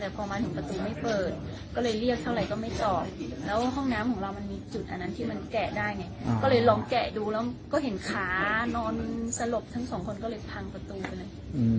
แต่พอมาถึงประตูไม่เปิดก็เลยเรียกเท่าไหร่ก็ไม่จอดแล้วห้องน้ำของเรามันมีจุดอันนั้นที่มันแกะได้ไงก็เลยลองแกะดูแล้วก็เห็นขานอนสลบทั้งสองคนก็เลยพังประตูเลย